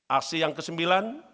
aksi yang kesembilan